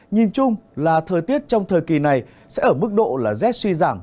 nhìn chung là thời tiết trong thời kỳ này sẽ ở mức độ là rét suy giảm